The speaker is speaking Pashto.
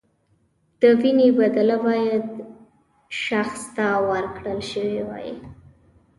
د وینې بدله باید شخص ته ورکړل شوې وای.